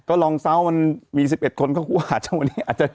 ก็ลองเซามันมี๑๑คนก็ว่าวันนี้อาจจะ